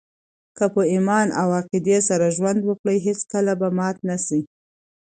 که په ایمان او عقیدې سره ژوند وکړئ، هېڅکله به مات نه سئ!